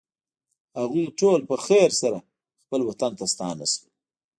هغوی ټول په خیر سره خپل وطن ته ستانه شول.